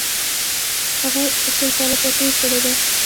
هغه شل کاله پاچهي کړې ده.